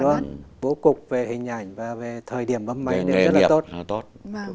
bố cục về hình ảnh và về thời điểm bấm máy rất là tốt